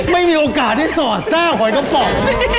ไม่มีโอกาสได้สอดซากหอยกระป๋อง